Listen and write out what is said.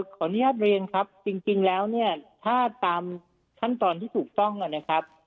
ขออนุญาตเรียนครับจริงแล้วเนี่ยถ้าตามขั้นตอนที่ถูกต้องนะครับ